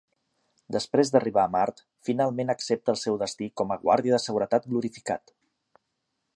Després d'arribar a Mart, finalment accepta el seu destí com a "guàrdia de seguretat glorificat".